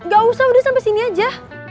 gak usah udah sampai sini aja